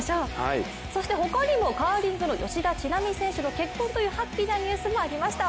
そして他にもカーリングの吉田知那美選手の結婚というハッピーなニュースもありました。